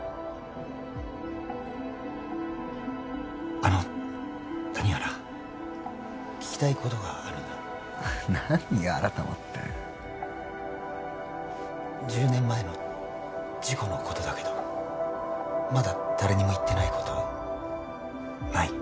あの谷原聞きたいことがあるんだ何よ改まって１０年前の事故のことだけどまだ誰にも言ってないことない？